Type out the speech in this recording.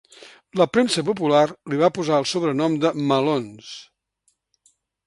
La premsa popular li va posar el sobrenom de "Melons".